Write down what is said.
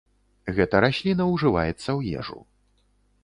Гэта расліна ўжываецца ў ежу.